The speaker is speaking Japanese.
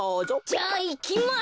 じゃあいきます！